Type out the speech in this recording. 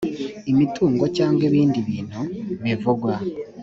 imitungo cyangwa ibindi bintu bivugwa